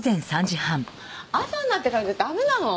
朝になってからじゃダメなの？